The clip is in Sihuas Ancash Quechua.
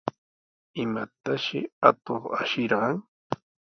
¿Imatashi atuq ashirqan?